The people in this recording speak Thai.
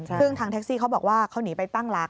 ซึ่งทางแท็กซี่เขาบอกว่าเขาหนีไปตั้งหลัก